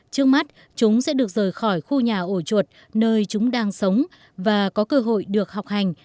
trước mắt chúng sẽ được rời khỏi khu nhà ổ chuột nơi chúng đang sống và có cơ hội được học hành